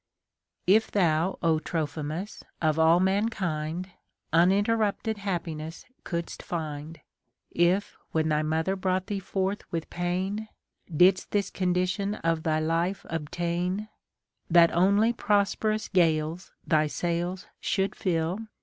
If thou, 0 Trophimus, of all mankind, Uninterrupted happiness coulilst find ; If Λνΐιβη thy mother brouglit thee forth with pain, Didst this condition of thy life obtain, That only prosperous gales thy sails should fill.